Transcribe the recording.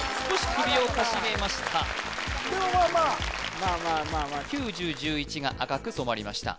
まあまあまあまあまあまあ９１０１１が赤く染まりました